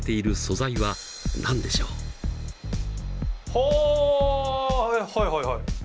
ほうはいはいはい。